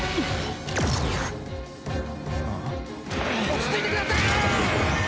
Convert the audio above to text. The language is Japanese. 落ち着いてください！